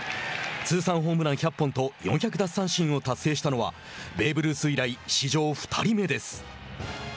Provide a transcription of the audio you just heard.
通算ホームラン１００本と４００奪三振を達成したのはベーブ・ルース以来史上２人目です。